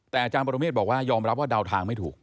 แต่อาจารย์ปรเมฆบอกว่ายอมรับว่าเดาทางไม่ถูก